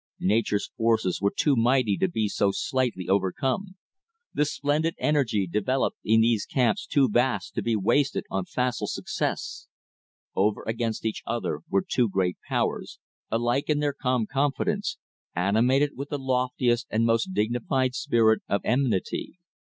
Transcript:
Nature's forces were too mighty to be so slightly overcome; the splendid energy developed in these camps too vast to be wasted on facile success. Over against each other were two great powers, alike in their calm confidence, animated with the loftiest and most dignified spirit of enmity.